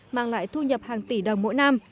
mang lại thu nhập hàng tỷ đồng mỗi năm